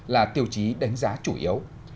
là tiêu chí đánh giá chủ yếu